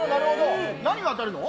何が当たるの？